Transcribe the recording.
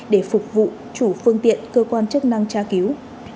để phục vụ chủ phương tiện cơ quan chức năng tra cứu